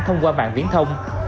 thông qua mạng viễn thông